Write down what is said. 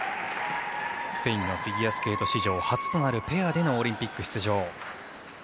スペインのフィギュアスケート史上初めてのペアでのオリンピック出場。